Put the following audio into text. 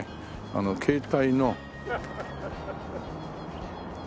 あの携帯の。